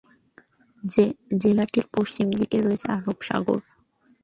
জেলাটির পশ্চিম দিকে রয়েছে আরব সাগর।